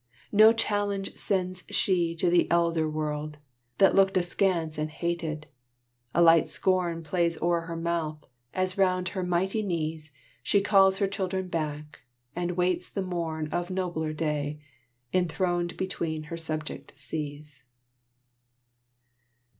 No challenge sends she to the elder world. That looked askance and hated; a light scorn Plays o'er her mouth, as round her mighty knees She calls her children back, and waits the morn Of nobler day, enthroned between her subject seas."